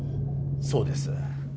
そうです